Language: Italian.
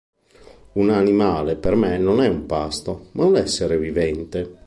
Un animale per me non è un pasto, ma un essere vivente.